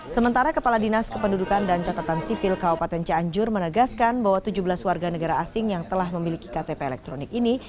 sementara kepala dinas kependudukan dan catatan sipil kabupaten cianjur menegaskan bahwa tujuh belas warga negara asing yang telah memiliki ktp elektronik ini